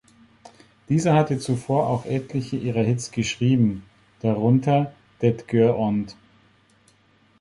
Dieser hatte zuvor auch etliche ihrer Hits geschrieben, darunter "Det gör ont".